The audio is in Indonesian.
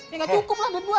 ya nggak cukup lah duit gua